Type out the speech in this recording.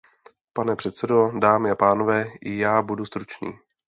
Pane předsedo, dámy a pánové, i já budu stručný.